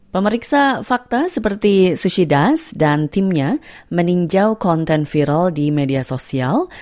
pemeriksa fakta seperti sushidas dan timnya meninjau konten viral di media sosial